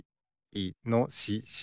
いのしし。